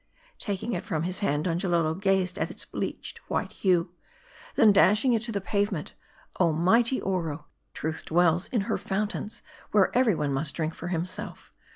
Taking it from his hand, Donjalolo gazed at its bleached, white hue ; then dashing it to the pavement, "Oh mighty Oro ! Truth dwells in her fountains ; where every one must drink for himself.